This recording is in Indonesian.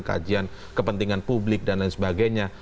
kajian kepentingan publik dan lain sebagainya